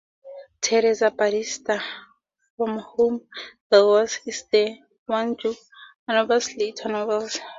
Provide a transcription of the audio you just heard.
"Tereza Batista: Home from the Wars" is one of Jorge Amado's later novels.